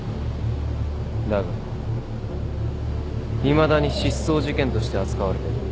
だがいまだに失踪事件として扱われてる。